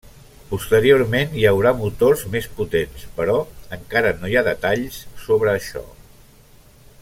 Posteriorment hi haurà motors més potents, però encara no hi ha detalls sobre això.